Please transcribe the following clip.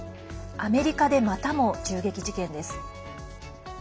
アメリカで、またも銃撃事件です。